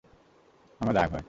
আমার রাগ হয়।